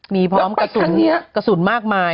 มีพร้อมกระสุนกระสุนมากมาย